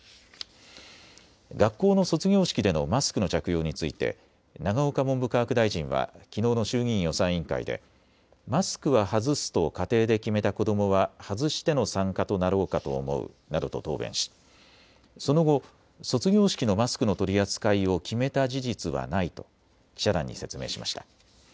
学校の卒業式でのマスクの着用について永岡文部科学大臣はきのうの衆議院予算委員会でマスクは外すと家庭で決めた子どもは外しての参加となろうかと思うなどと答弁しその後、卒業式のマスクの取り扱いを決めた事実はないと記者団に説明しました。